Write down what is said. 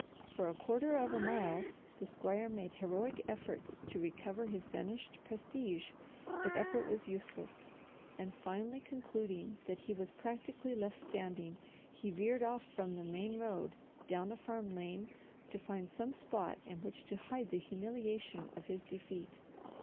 For a quarter of a mile the squire made heroic efforts to recover his vanished prestige, but effort was useless, and finally concluding that he was practically left standing, he veered off from the main road down a farm lane to find some spot in which to hide the humiliation of his defeat.